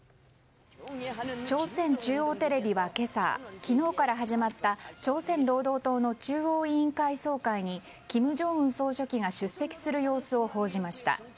朝鮮中央テレビは今朝昨日から始まった朝鮮労働党の中央委員会総会に金正恩総書記が出席する様子を報じました。